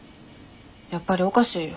やっぱりおかしいよ。